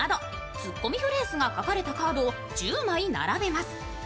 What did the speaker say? ツッコミフレーズが書かれたカードを１０枚並べます。